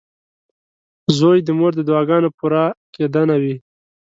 • زوی د مور د دعاګانو پوره کېدنه وي.